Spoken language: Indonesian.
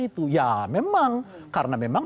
itu ya memang karena memang